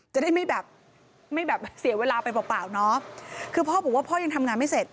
จะได้ไม่แบบไม่แบบเสียเวลาไปเปล่าเปล่าเนาะคือพ่อบอกว่าพ่อยังทำงานไม่เสร็จ